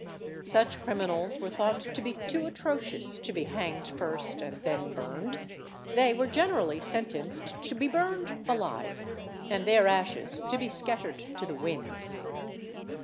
Such criminals were thought to be too atrocious to be hanged first and then burned: they were generally sentenced to be burned alive, and their ashes to be scattered to the winds.